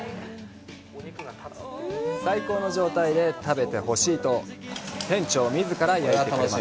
最高の状態で食べてほしいと店長みずから焼いてくれます。